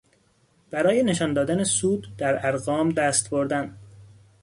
برای نشان دادن سود در ارقام دست بردن